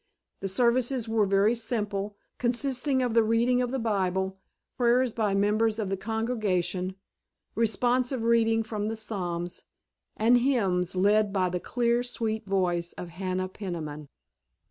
The services were very simple, consisting of the reading of the Bible, prayers by members of the congregation, responsive reading from the Psalms, and hymns led by the clear, sweet voice of Hannah Peniman.